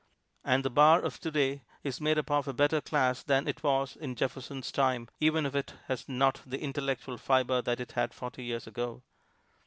And the bar of today is made up of a better class than it was in Jefferson's time, even if it has not the intellectual fiber that it had forty years ago.